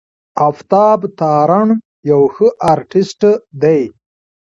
آفتاب تارڼ يو ښه آرټسټ دی.